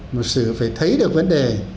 một xử phải thấy được vấn đề